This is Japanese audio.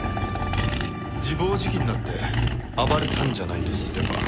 自暴自棄になって暴れたんじゃないとすれば。